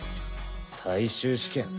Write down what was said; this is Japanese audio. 最終試験？